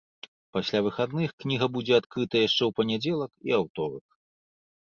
Пасля выхадных кніга будзе адкрыта яшчэ ў панядзелак і аўторак.